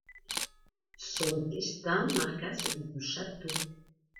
Son destin marqua celui du château.